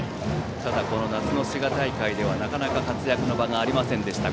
ただこの夏の滋賀大会ではなかなか活躍の場がありませんでした。